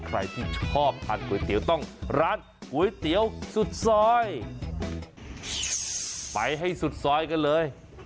ใครที่ชอบทานก๋วยเตี๋ยวต้องร้านก๋วยเตี๋ยวสุดซอยไปให้สุดซอยกันเลย